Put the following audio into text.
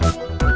ke rumah emak